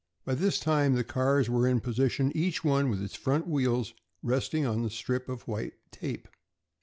By this time the cars were in position, each one with its front wheels resting on the strip of white tape.